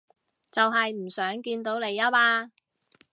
就係唔想見到你吖嘛